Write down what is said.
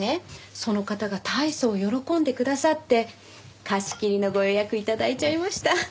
その方がたいそう喜んでくださって貸し切りのご予約頂いちゃいました。